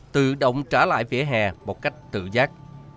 tự động trả lại vỉa hè một cách tự giác